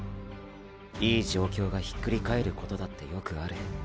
いい状況がひっくり返ることだってよくある。